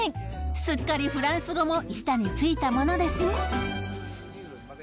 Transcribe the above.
すっかりフランス語も板についたものですね。